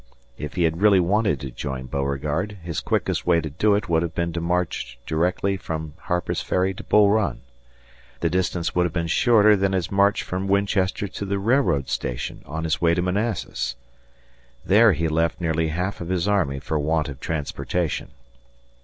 If he had really wanted to join Beauregard, his quickest way to do it would have been to march directly from Harper's Ferry to Bull Run. The distance would have been shorter than his march from Winchester to the railroad station, on his way to Manassas. There he left nearly half of his army for want of transportation.